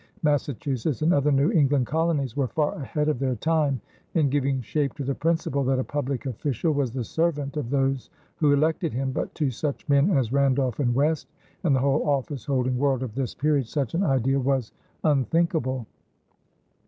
Massachusetts and other New England colonies were far ahead of their time in giving shape to the principle that a public official was the servant of those who elected him, but to such men as Randolph and West and the whole office holding world of this period, such an idea was unthinkable.